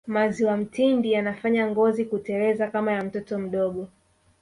maziwa mtindi yanafanya ngozi kuteleza kama ya mtoto mdogo